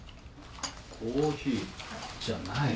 コーヒーじゃない。